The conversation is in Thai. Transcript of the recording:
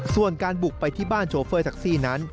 ส่วนการบุกไปที่บ้านโชเฟอร์แท็กซี่นั้น